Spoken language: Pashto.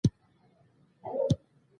بشرپالنه یوازې سیاسي شعارونه نه دي.